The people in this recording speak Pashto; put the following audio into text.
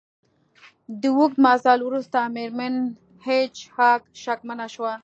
د اوږد مزل وروسته میرمن هیج هاګ شکمنه شوه